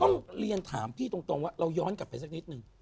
ต้องเรียนถามพี่ตรงว่าเราย้อนกลับไปสักนิดนึง